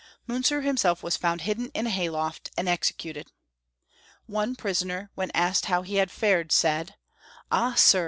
Miinzer himself was found hidden in a hayloft and executed. One prisoner, when asked how he had fared, said, " Ah, sir